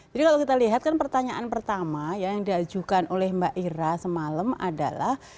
jadi kalau kita lihat pertanyaan pertama yang diajukan oleh mbak ira semalam adalah